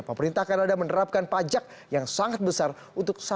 pemerintah kanada menerapkan pajak yang sangat besar untuk saham